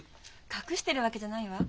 隠してるわけじゃないわ。